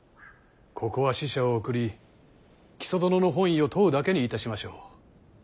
ここは使者を送り木曽殿の本意を問うだけにいたしましょう。